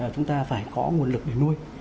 chúng ta phải có nguồn lực để nuôi